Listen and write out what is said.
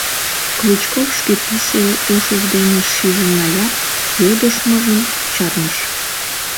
Клычков шке писе ушыж дене шижын налят, йодыштмыжым чарныш.